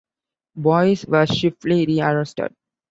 Boyce was swiftly rearrested.